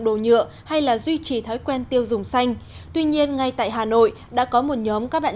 đồ nhựa hay là duy trì thói quen tiêu dùng xanh tuy nhiên ngay tại hà nội đã có một nhóm các bạn